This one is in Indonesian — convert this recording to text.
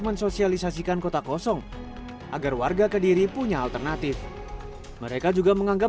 mensosialisasikan kota kosong agar warga kediri punya alternatif mereka juga menganggap